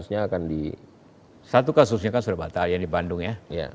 satu kasusnya kan sudah batal yang di bandung ya